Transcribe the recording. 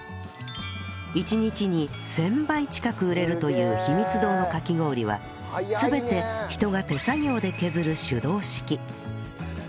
１日に１０００杯近く売れるというひみつ堂のかき氷は全て人が手作業で削る手動式